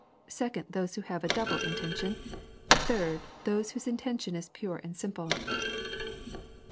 Second, those who have a double intention. Third, those whose intention is pure and simple.